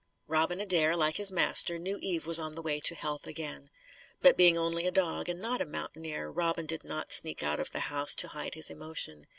Robin Adair, like his master, knew Eve was on the way to health again. But being only a dog and not a mountaineer, Robin did not sneak out of the house to hide his emotion.